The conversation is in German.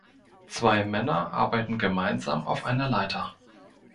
Zwei Männer arbeiten gemeinsam auf einer Leiter.